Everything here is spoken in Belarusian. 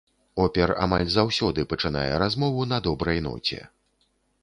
Опер амаль заўсёды пачынае размову на добрай ноце.